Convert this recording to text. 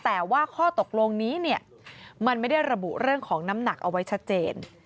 แต่ว่าข้อตกลงนี้เนี่ยมันไม่ได้ระบุเรื่องของน้ำหนักเอาไว้ชัดเจน